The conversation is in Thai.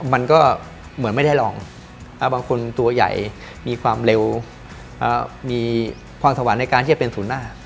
มันก็เหมือนไม่ได้ลองบางคนตัวใหญ่มีความเร็วมีความสวรรค์ในการที่จะเป็นศูนย์หน้า